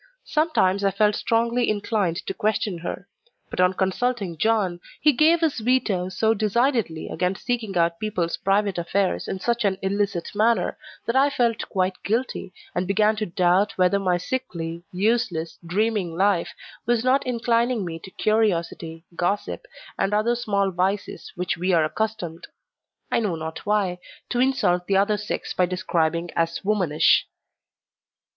Sometimes I felt strongly inclined to question her; but on consulting John, he gave his veto so decidedly against seeking out people's private affairs in such an illicit manner that I felt quite guilty, and began to doubt whether my sickly, useless, dreaming life, was not inclining me to curiosity, gossip, and other small vices which we are accustomed I know not why to insult the other sex by describing as "womanish."